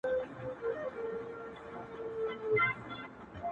ښاماري زلفو يې په زړونو باندې زهر سيندل,